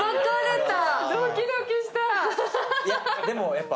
ドキドキした。